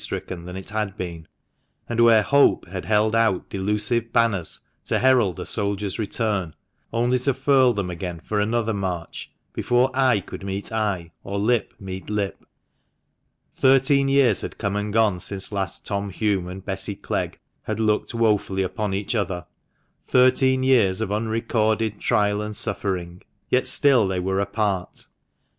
stricken than it had been — and where Hope had held out delusive banners to herald a soldier's return, only to furl them again for another march, before eye could meet eye, or lip meet lip. Thirteen years had come and gone since last Tom Hulme and Bessy Clegg had looked woefully upon each other — thirteen years of unrecorded trial and suffering — yet still they were apart.